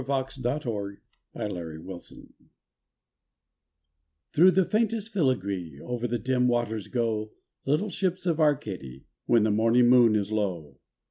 220 THE SHIPS OF ARCADY Thro' the faintest filigree Over the dim waters go . Little ships of Arcady When the morning moon is low.